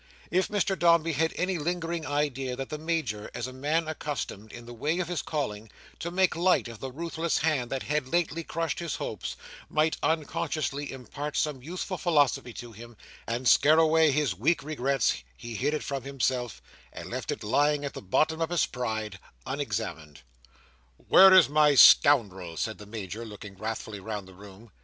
If Mr Dombey had any lingering idea that the Major, as a man accustomed, in the way of his calling, to make light of the ruthless hand that had lately crushed his hopes, might unconsciously impart some useful philosophy to him, and scare away his weak regrets, he hid it from himself, and left it lying at the bottom of his pride, unexamined. "Where is my scoundrel?" said the Major, looking wrathfully round the room.